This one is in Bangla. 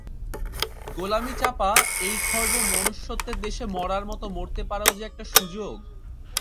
গোলামি-চাপা এই খর্ব মানুষ্যত্বের দেশে মরার মতো মরতে পারাও যে একটা সুযোগ।